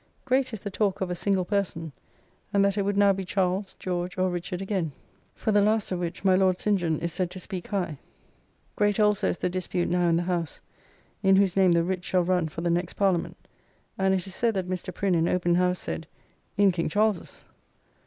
Great is the talk of a single person, and that it would now be Charles, George, or Richard again. [Charles II., or George Monk, or Richard Cromwell.] For the last of which, my Lord St. John is said to speak high. Great also is the dispute now in the House, in whose name the writs shall run for the next Parliament; and it is said that Mr. Prin, in open House, said, "In King Charles's."